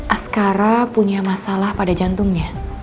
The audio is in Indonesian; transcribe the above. askara punya masalah pada jantungnya